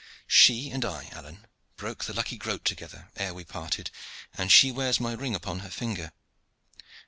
"She and I, Alleyne, broke the lucky groat together ere we parted, and she wears my ring upon her finger.